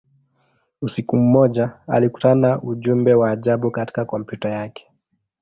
Usiku mmoja, alikutana ujumbe wa ajabu katika kompyuta yake.